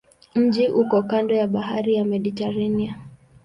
Mji uko kando ya bahari ya Mediteranea.